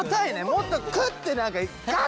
もっとクッて何かガッて。